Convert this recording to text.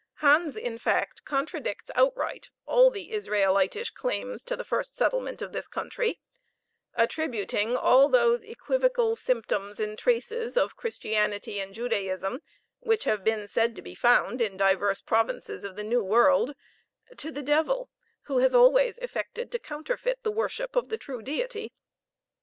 Hans, in fact, contradicts outright all the Israelitish claims to the first settlement of this country, attributing all those equivocal symptoms, and traces of Christianity and Judaism, which have been said to be found in divers provinces of the new world, to the Devil, who has always effected to counterfeit the worship of the true Deity.